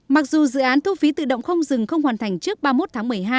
mặc dù dự án thu phí tự động không dừng không hoàn thành trước ba mươi một tháng một mươi hai